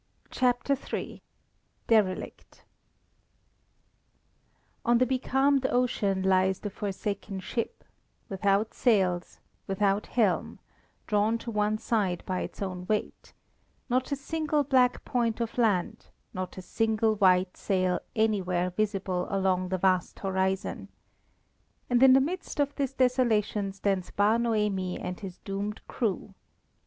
CHAPTER III DERELICT On the becalmed ocean lies the forsaken ship, without sails, without helm, drawn to one side by its own weight, not a single black point of land, not a single white sail anywhere visible along the vast horizon. And in the midst of this desolation stands Bar Noemi and his doomed crew.